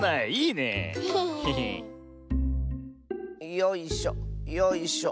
よいしょよいしょ。